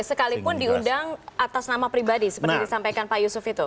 sekalipun diundang atas nama pribadi seperti disampaikan pak yusuf itu